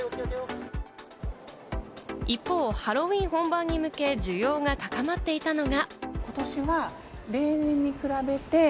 一方、ハロウィーン本番に向け、需要が高まっていたのが。